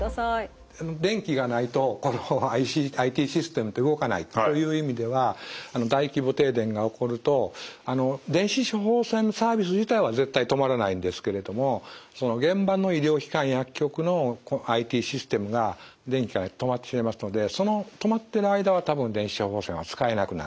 電気がないとこのＩＴシステムって動かないという意味では大規模停電が起こると電子処方箋サービス自体は絶対止まらないんですけれども現場の医療機関薬局のＩＴシステムが電気が止まってしまいますのでその止まってる間は多分電子処方箋は使えなくなると思います。